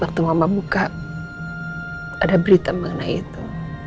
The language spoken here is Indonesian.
waktu mama buka ada berita mengenai itu